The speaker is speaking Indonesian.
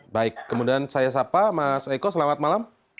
baik kemudian saya sapa mas eko selamat malam